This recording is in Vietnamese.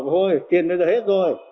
thôi tiền đã hết rồi